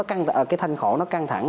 cái thanh khỏng nó căng thẳng